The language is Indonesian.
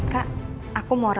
kak aku mau ralat